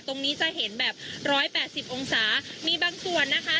ตรงนี้จะเห็นแบบร้อยแปดสิบองศามีบางส่วนนะคะ